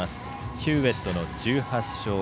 ヒューウェットの１８勝。